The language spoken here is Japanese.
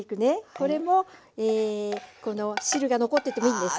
これもこの汁が残っててもいいんです。